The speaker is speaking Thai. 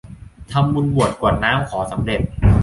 ทำบุญบวช กรวดน้ำ ขอสำเร็จ